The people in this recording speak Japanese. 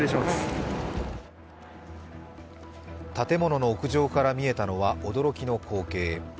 建物の屋上から見えたのは驚きの光景。